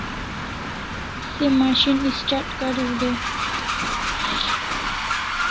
Se machine start kariu dai